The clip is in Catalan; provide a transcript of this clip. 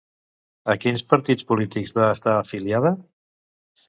A quins partits polítics va estar afiliada?